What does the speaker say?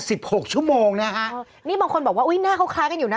หกชั่วโมงนะฮะเออนี่บางคนบอกว่าอุ้ยหน้าเขาคล้ายกันอยู่นะ